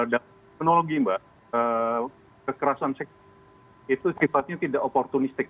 dan teknologi mbak kekerasan seksual itu sifatnya tidak oportunistik